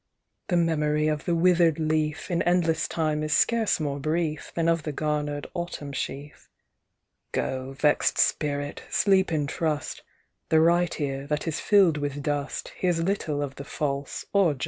"The memory of the wither'd leaf In endless time is scarce more brief Than of the garner'd Autumn sheaf. "Go, vexed Spirit, sleep in trust; The right ear, that is fill'd with dust, Hears little of the false or just."